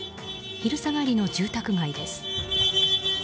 昼下がりの住宅街です。